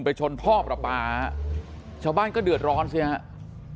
ไปชนท่อประปาชาวบ้านก็เดือดร้อนสิครับ